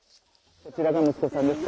こちらが息子さんですか。